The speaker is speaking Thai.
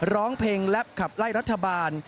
ร้องเพลงและขับไล่รัฐบาล